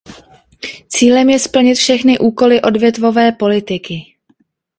Cílem je splnit všechny úkoly odvětvové politiky.